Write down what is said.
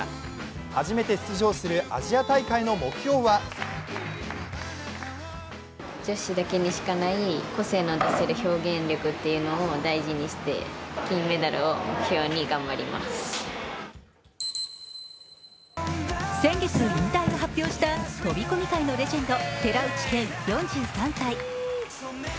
初めて出場するアジア大会の目標は先月、引退を発表した飛込界のレジェンド、寺内健４３歳。